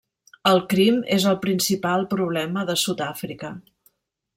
El crim és el principal problema de Sud-àfrica.